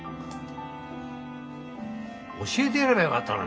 教えてやればよかったのに。